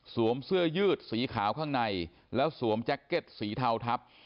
เสื้อยืดสีขาวข้างในแล้วสวมแจ็คเก็ตสีเทาทับ